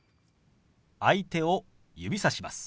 相手を指さします。